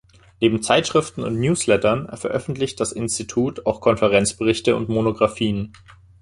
Neben Zeitschriften und Newslettern veröffentlicht das Institut auch Konferenzberichte und Monographien.